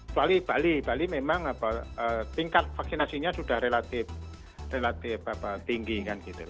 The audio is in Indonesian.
kecuali bali bali memang tingkat vaksinasinya sudah relatif tinggi kan gitu